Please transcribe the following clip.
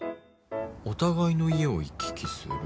「お互いの家を行き来する」